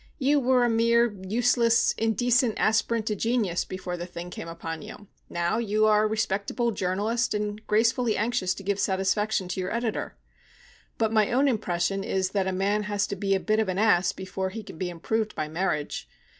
You were a mere useless, indecent aspirant to genius before the thing came upon you. Now you are a respectable journalist and gracefully anxious to give satisfaction to your editor. But my own impression is that a man has to be a bit of an ass before he can be improved by marriage.